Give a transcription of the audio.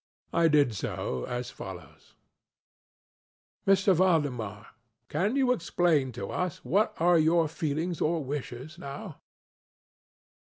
I did so, as follows: ŌĆ£M. Valdemar, can you explain to us what are your feelings or wishes now?